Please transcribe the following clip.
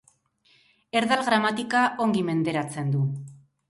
Erdal gramatika ongi menderatzen du.